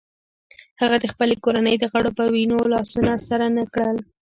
هغه د خپلې کورنۍ د غړو په وینو لاسونه سره نه کړل.